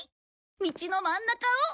道の真ん中を！